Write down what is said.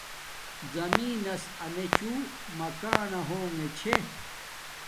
زمین نس امیچوں مکانا ہونگے چھے